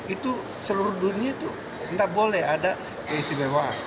itu seluruh dunia itu tidak boleh ada keistimewaan